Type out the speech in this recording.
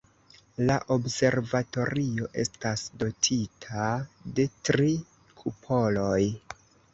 La observatorio estas dotita de tri kupoloj.